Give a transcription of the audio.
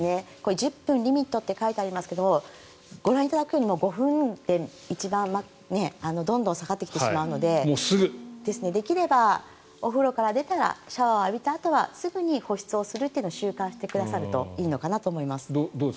１０分リミットって書いてありますがご覧いただくように５分で一番どんどん下がってきてしまうのでできればお風呂から出たらシャワーを浴びたあとにすぐに保湿をするのを習慣にしてくださるといいのかなと思います。